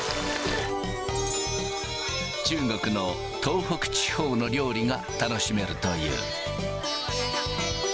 中国の東北地方の料理が楽しめるという。